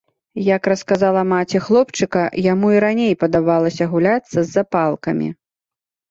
Як расказала маці хлопчыка, яму і раней падабалася гуляцца з запалкамі.